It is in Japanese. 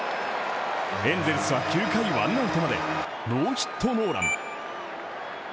エンゼルスは９回ワンアウトまでノーヒット・ノーラン。